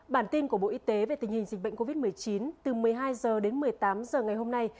bản tin của bộ y tế về tình hình dịch bệnh covid một mươi chín từ một mươi hai h đến một mươi tám h ngày hôm nay